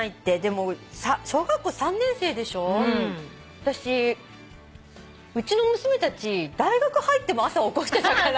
私うちの娘たち大学入っても朝起こしてたから。